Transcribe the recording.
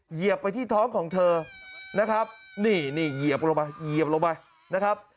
เหยียบไปที่ท้องของเธอนะครับนี่นี่เหยียบลงไปเหยียบลงไปนะครับ